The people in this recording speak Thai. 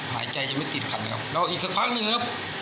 หายใจจะไม่ติดขัดนะครับแล้วอีกสักครั้งหนึ่งนะครับ